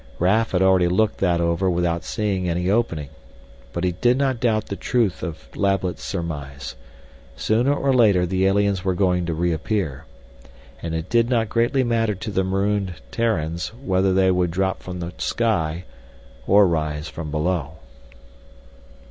Raf had already looked that over without seeing any opening. But he did not doubt the truth of Lablet's surmise. Sooner or later the aliens were going to reappear. And it did not greatly matter to the marooned Terrans whether they would drop from the sky or rise from below.